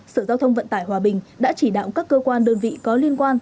sở giao thông vận tải hòa bình đã chỉ đạo các cơ quan đơn vị có liên quan